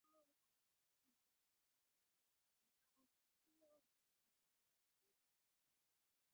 গুরু হচ্ছেন সেই আধার, যাঁর মধ্য দিয়ে আধ্যাত্মিক শক্তি তোমার কাছে পৌঁছয়।